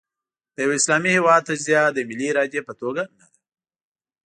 د یوه اسلامي هېواد تجزیه د ملي ارادې په توګه نه ده.